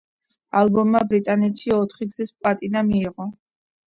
ალბომმა ბრიტანეთში ოთხი გზის პლატინა მიიღო.